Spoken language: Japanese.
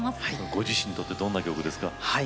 ご自身にとってどんな曲ですか？